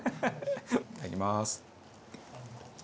いただきます。